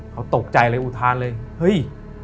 เขาตกใจเลยอุทานเลยเฮ้ย